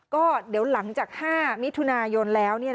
ก็เดี๋ยวหลังจาก๕มิถุนายนแล้ว